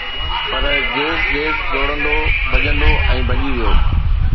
پر جيس جيس ڊوڙندو، ڀڄندو ۽ ڀڄي ويو